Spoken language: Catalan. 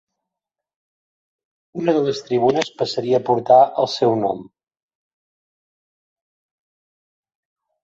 Una de les tribunes passaria a portar el seu nom.